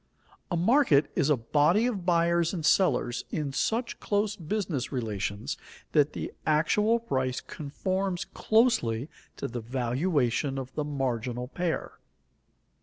_A market is a body of buyers and sellers in such close business relations that the actual price conforms closely to the valuation of the marginal pair.